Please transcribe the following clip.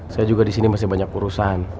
saya juga disini masih banyak urusan